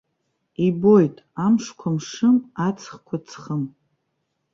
Ибоит, амшқәа мшым, аҵыхқәа ҵхым.